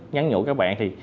nhắn nhũ các bạn thì